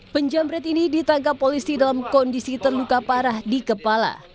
penjamret ini ditangkap polisi dalam kondisi terluka parah di kepala